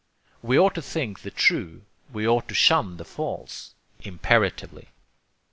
We ought to think the true, we ought to shun the false, imperatively.